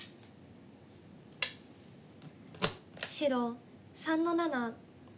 白３の七。